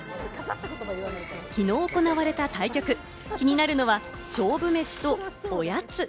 きのう行われた対局、気になるのは勝負メシとおやつ。